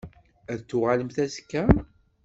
Ad d-tuɣalemt azekka?